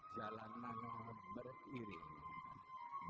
jalan nanah beriring